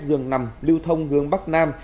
dường nằm lưu thông hướng bắc nam